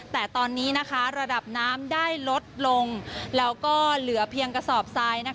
แต่ตอนนี้ระดับน้ำได้ลดลงแล้วก็เหลือเพียงกระสอบทราย